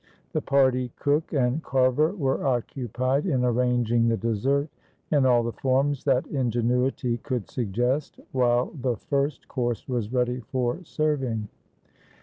The party cook and carver were occupied in arranging the dessert, in all the forms that ingenuity could suggest, while the first course was ready for serving.